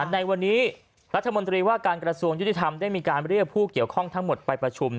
ในวันนี้รัฐมนตรีว่าการกระทรวงยุติธรรมได้มีการเรียกผู้เกี่ยวข้องทั้งหมดไปประชุม